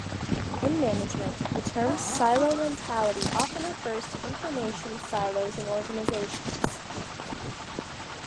In management the term silo mentality often refers to information silos in organizations.